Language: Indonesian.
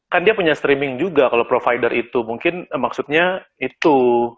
kan dia punya streaming juga kalau provider itu mungkin maksudnya itu